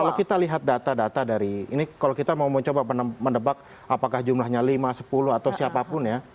kalau kita lihat data data dari ini kalau kita mau mencoba mendebak apakah jumlahnya lima sepuluh atau siapapun ya